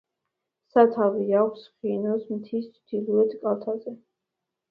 სათავე აქვს ხინოს მთის ჩრდილოეთ კალთაზე.